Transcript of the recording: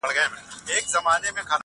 o د هغه ږغ زما د ساه خاوند دی.